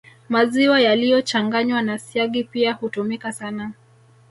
Maziwa yaliyochanganywa na siagi pia hutumika sana